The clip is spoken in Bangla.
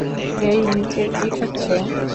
হেই, নিচে কী হচ্ছে?